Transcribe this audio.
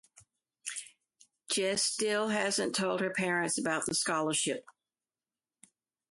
Jess still hasn't told her parents about the scholarship.